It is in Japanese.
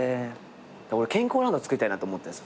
俺健康ランドつくりたいなって思ってるんですよ。